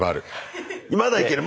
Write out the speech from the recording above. まだいける。